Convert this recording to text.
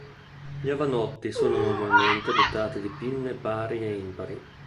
Gli avannotti sono normalmente dotati di pinne pari e impari.